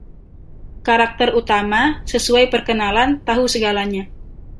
Karakter utama, sesuai perkenalan, tahu segalanya.